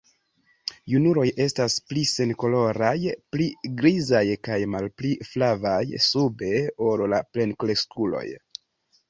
Junuloj estas pli senkoloraj, pli grizaj kaj malpli flavaj sube ol la plenkreskuloj.